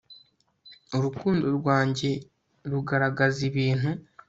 urukundo rwanjye rugaragaza ibintu